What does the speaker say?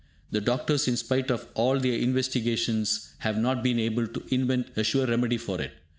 The doctors, in spite of all their investigations, have not yet been able to invent a sure remedy for it.